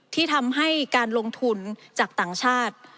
ที่ทำให้การลงทุนจากต่างชาติ